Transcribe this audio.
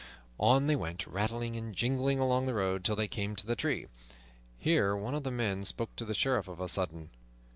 On they went, rattling and jingling along the road till they came to the tree. Here one of the men spake to the Sheriff of a sudden.